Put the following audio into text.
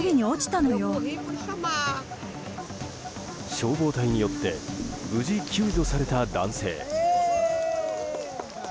消防隊によって無事、救助された男性。